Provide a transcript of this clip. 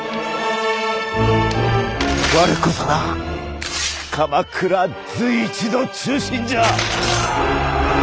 我こそが鎌倉随一の忠臣じゃ！